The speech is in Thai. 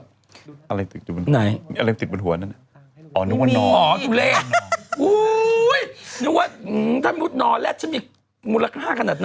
อะไรติดบนหัวนั้น